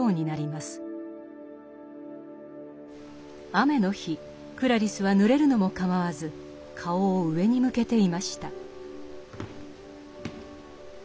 雨の日クラリスはぬれるのも構わず顔を上に向けていました。